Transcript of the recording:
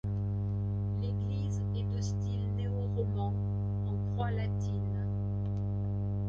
L'église est de style néo-roman, en croix latine.